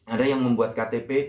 ada yang membuat ktp